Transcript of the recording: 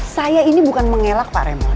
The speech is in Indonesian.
saya ini bukan mengelak pak remo